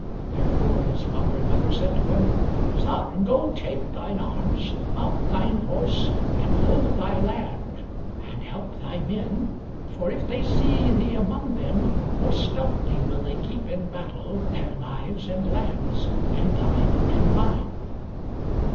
Therefore his father and mother said to him: "Son, go take thine arms, mount thine horse, and hold thy land, and help thy men, for if they see thee among them, more stoutly will they keep in battle their lives and lands, and thine and mine."